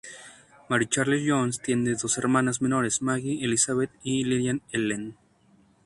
Mary Charles Jones tiene dos hermanas menores, Maggie Elizabeth y Lillian Ellen.